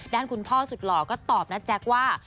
ด้านคุณพ่อสุดหล่อก็ตอบนะแจ๊คว่า